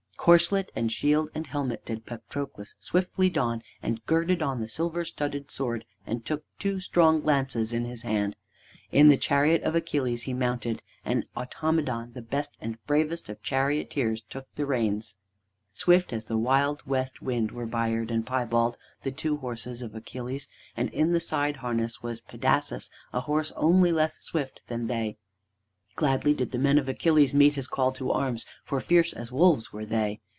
Corslet and shield and helmet did Patroclus swiftly don, and girded on the silver studded sword and took two strong lances in his hand. In the chariot of Achilles he mounted, and Automedon, best and bravest of charioteers, took the reins. Swift as the wild west wind were Bayard and Piebald, the two horses of Achilles, and in the side harness was Pedasus, a horse only less swift than they. Gladly did the men of Achilles meet his call to arms, for fierce as wolves were they.